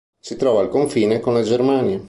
Si trova al confine con la Germania.